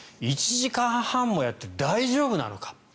１時間半もやって大丈夫なのか。